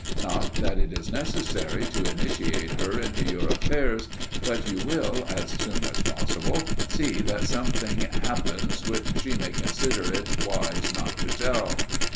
Not that it is necessary to initiate her into your affairs, but you will, as soon as possible, see that something happens which she may consider it wise not to tell.